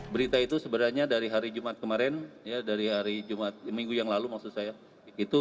berita itu sebenarnya dari hari jumat kemarin ya dari hari jumat minggu yang lalu maksud saya